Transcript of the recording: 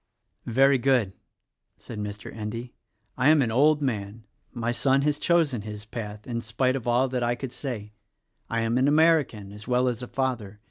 "Very good!" said Mr. Endy. "I am an old man. My son has chosen his path — in spite of all that I could say. I am an American, as well as a father.